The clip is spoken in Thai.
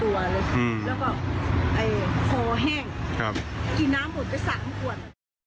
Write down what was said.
แล้วก็คอแห้งกินน้ำหมดไป๓ขวด